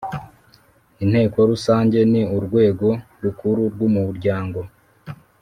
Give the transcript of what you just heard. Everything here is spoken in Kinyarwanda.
Inteko Rusange ni urwego rukuru rw umuryango